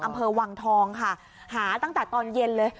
อำเภอวังทองค่ะหาตั้งแต่ตอนเย็นเลย